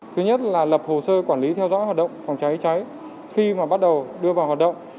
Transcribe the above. thứ nhất là lập hồ sơ quản lý theo dõi hoạt động phòng cháy cháy khi mà bắt đầu đưa vào hoạt động